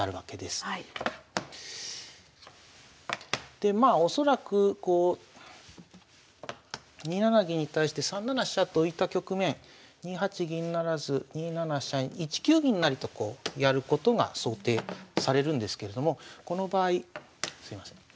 でまあ恐らくこう２七銀に対して３七飛車と浮いた局面２八銀不成２七飛車１九銀成とこうやることが想定されるんですけれどもこの場合すいません。